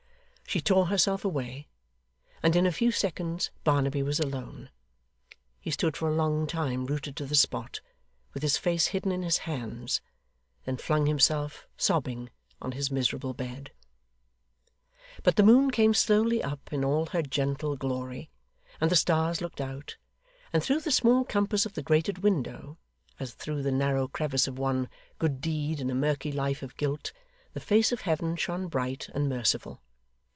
She tore herself away, and in a few seconds Barnaby was alone. He stood for a long time rooted to the spot, with his face hidden in his hands; then flung himself, sobbing, on his miserable bed. But the moon came slowly up in all her gentle glory, and the stars looked out, and through the small compass of the grated window, as through the narrow crevice of one good deed in a murky life of guilt, the face of Heaven shone bright and merciful.